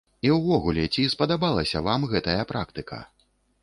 І ўвогуле, ці спадабалася вам гэтая практыка?